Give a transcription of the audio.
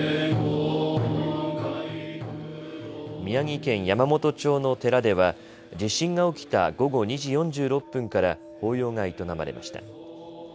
宮城県山元町の寺では地震が起きた午後２時４６分から法要が営まれました。